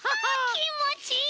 きもちいい！